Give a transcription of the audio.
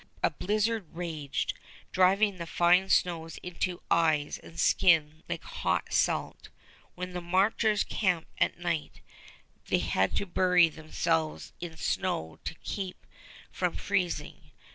A blizzard raged, driving the fine snows into eyes and skin like hot salt. When the marchers camped at night they had to bury themselves in snow to keep from freezing.